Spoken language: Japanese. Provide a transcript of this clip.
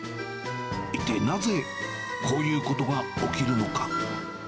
一体なぜ、こういうことが起きるのか。